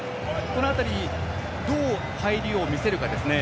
この辺りどう入りを見せるかですね。